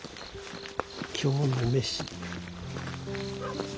今日の飯。